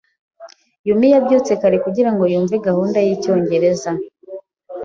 Yumi yabyutse kare kugirango yumve gahunda yicyongereza.